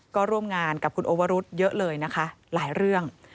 ก็ร่วมงานกับคุณโอวรุธเยอะเลยนะคะหลายเรื่อง